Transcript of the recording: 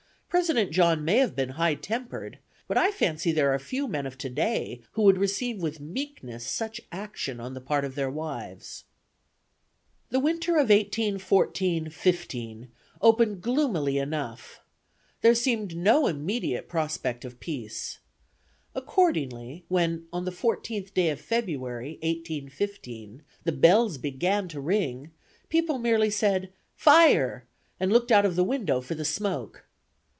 President John may have been high tempered, but I fancy there are few men of today who would receive with meekness such action on the part of their wives. The winter of 1814 15 opened gloomily enough. There seemed no immediate prospect of peace. Accordingly, when, on the 14th day of February, 1815, the bells began to ring, people merely said, "Fire!" and looked out of window for the smoke.